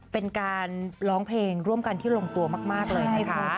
เป็นการร้องเพลงร่วมกันที่ลงตัวมากเลยนะคะ